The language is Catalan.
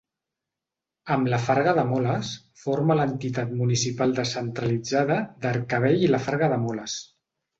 Amb la Farga de Moles forma l'entitat municipal descentralitzada d'Arcavell i la Farga de Moles.